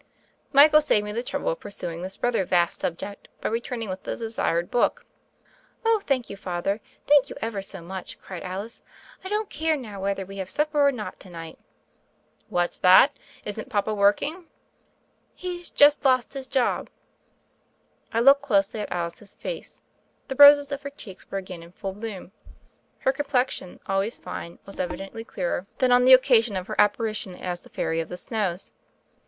Michael saved me the trouble of pursuing this rather vast subject by returning with the desired book. "Oh, thank you. Father, thank you ever so much!" cried Alice. "I don't care now whether we have supper or not to night." "What's that? Isn't papa working?" "He's just lost his job." I looked closely at Alice's face. The roses of her cheeks were again in full bloom. Her complexion, always fine, was evidently clearer 28 THE FAIRY OF THE SNOWS than on the occasion of her apparition as the "Fairy of the Snows."